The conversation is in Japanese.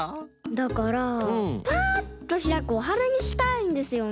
だからパッとひらくおはなにしたいんですよね。